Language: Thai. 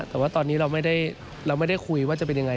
แต่ว่าตอนนี้เราไม่ได้คุยว่าจะเป็นยังไง